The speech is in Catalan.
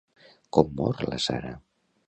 Com mor la Sarah?